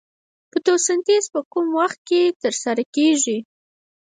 فتوسنتیز په کوم وخت کې ترسره کیږي